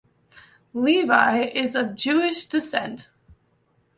Levi is of Jewish descent.